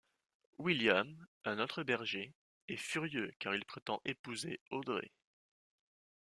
William, un autre berger, est furieux car il prétend épouser Audrey.